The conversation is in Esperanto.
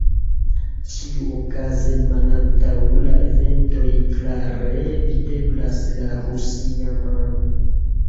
Ĉiuokaze malantaŭ la eventoj klare videblas la rusia mano.